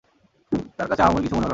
তাঁর কাছে আহামরি কিছু মনে হল না।